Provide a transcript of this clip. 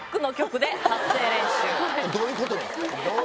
どういうことなん？